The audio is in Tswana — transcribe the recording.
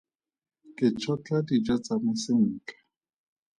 Ke tšhotlha dijo tsa me sentle.